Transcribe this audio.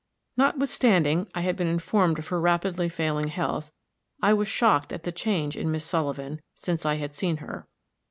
Notwithstanding I had been informed of her rapidly failing health, I was shocked at the change in Miss Sullivan since I had seen her.